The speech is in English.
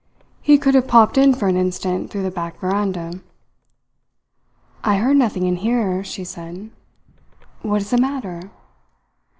"He could have popped in for an instant through the back veranda." "I heard nothing in here," she said. "What is the matter?"